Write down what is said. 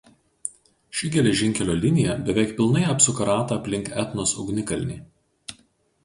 Ši geležinkelio linija beveik pilnai apsuka ratą aplink Etnos ugnikalnį.